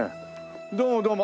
どうもどうも。